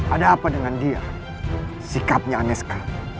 ada apa dengan dia sikapnya aneh sekali